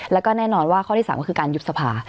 แล้วก็แน่นอนว่าข้อที่๓ก็คือการยุบสภา